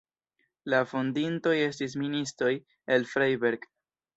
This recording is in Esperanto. La fondintoj estis ministoj el Freiberg.